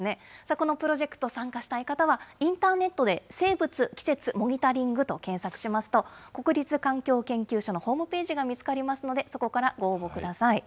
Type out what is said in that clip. このプロジェクト、参加したい方は、インターネットで生物季節モニタリングと検索しますと、国立環境研究所のホームページが見つかりますので、そこからご応募ください。